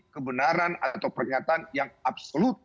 kebenaran atau pernyataan yang absolut